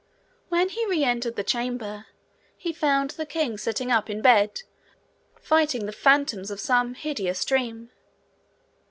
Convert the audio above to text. When he re entered the chamber, he found the king sitting up in bed, fighting the phantoms of some hideous dream.